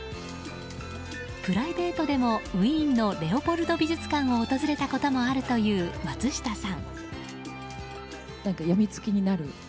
プライベートでもウィーンのレオポルド美術館を訪れたこともあるという松下さん。